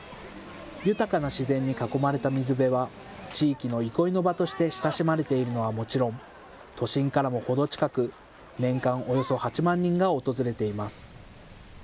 豊かな自然に囲まれた水辺は地域の憩いの場として親しまれているのはもちろん、都心からも程近く年間およそ８万人が訪れています。